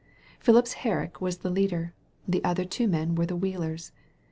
Phipps Herriek was the leader, the other men were the wheelers.